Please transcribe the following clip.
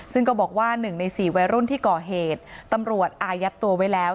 ซึ่งก็บอกว่า๑ใน๔วัยรุ่นที่ก่อเหตุตำรวจอายัดตัวไว้แล้ว